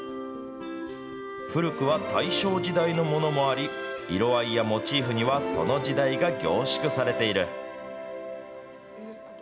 古くは大正時代のものもあり、色合いやモチーフには、その時代が凝縮されている。